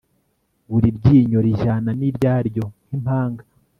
buri ryinyo rijyana n'iryaryo nk'impanga